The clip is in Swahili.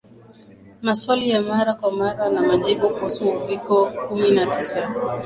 Maswali ya Mara kwa Mara na Majibu kuhusu Uviko kumi na tisa